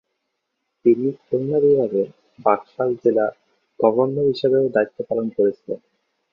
তিনি খুলনা বিভাগে বাকশাল জেলা গভর্নর হিসেবেও দায়িত্ব পালন করেছিলেন।